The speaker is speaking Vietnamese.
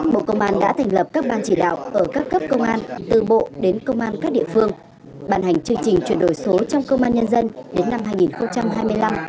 bộ công an đã thành lập các ban chỉ đạo ở các cấp công an từ bộ đến công an các địa phương bàn hành chương trình chuyển đổi số trong công an nhân dân đến năm hai nghìn hai mươi năm